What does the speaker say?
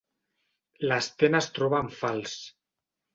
L'Sten es troba en fals.